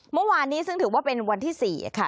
เมื่อวานนี้ซึ่งถือว่าเป็นวันที่๔ค่ะ